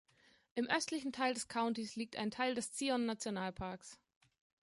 Im östlichen Teil des Countys liegt ein Teil des Zion-Nationalparks.